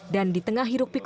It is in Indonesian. dan di tengah hirupik pikul